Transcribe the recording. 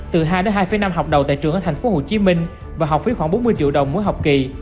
từ hai đến hai năm học đầu tại trường ở tp hcm và học phí khoảng bốn mươi triệu đồng mỗi học kỳ